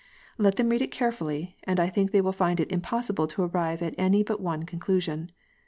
Let them read it carefully, and I think they will find it impossible to arrive at any but one conclusion.